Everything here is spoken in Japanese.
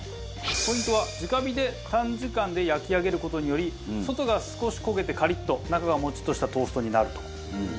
ポイントは直火で短時間で焼き上げる事により外が少し焦げてカリッと中がモチッとしたトーストになると。